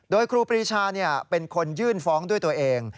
โดยครูปรีชาเป็นคนยื่นฟ้องด้วยตัวเอง